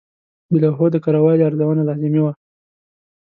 د لوحو د کره والي ارزونه لازمي وه.